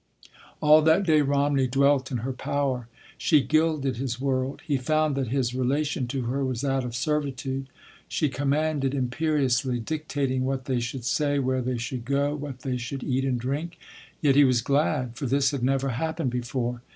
All that day Romney dwelt in her power. She gilded his world. He found that his relation to her was that of servitude. She commanded imperiously, dictating what they should say, where they should go, what they should eat and drink. Yet he was glad, for this had never happened before.